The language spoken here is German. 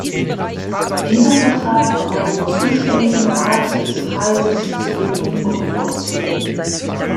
Dieser Vertrag war dem zuständigen Rat des Kreises zur Genehmigung vorzulegen.